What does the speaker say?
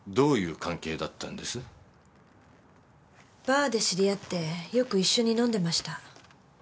バーで知り合ってよく一緒に飲んでました。